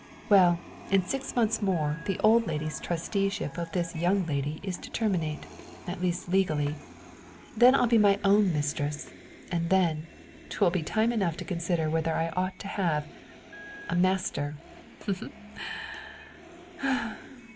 Well; in six months more the old lady's trusteeship of this young lady is to terminate at least legally. Then I'll be my own mistress; and then 'twill be time enough to consider whether I ought to have a master.